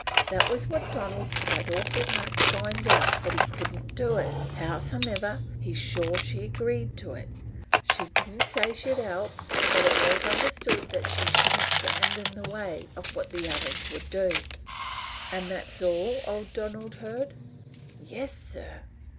"That was what Donald tried awful hard to find out but he couldn't do it. Howsumever, he's sure she agreed to it. She didn't say she'd help, but it was understood that she shouldn't stand in the way of what the other would do." "And that is all old Donald heard?" "Yes, sir."